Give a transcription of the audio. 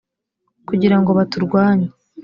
kugira ngo baturwanye.